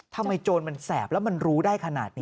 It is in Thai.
โจรมันแสบแล้วมันรู้ได้ขนาดนี้